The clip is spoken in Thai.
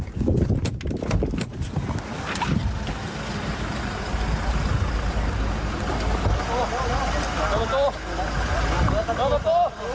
ตัวตัวตัวตัวตัวตัว